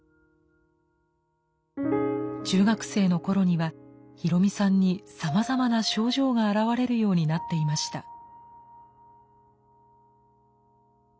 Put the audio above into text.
中学生の頃にはヒロミさんにさまざまな症状が現れるようになっていました。